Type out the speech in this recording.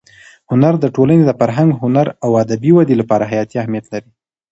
هنر د ټولنې د فرهنګ، هنر او ادبي ودې لپاره حیاتي اهمیت لري.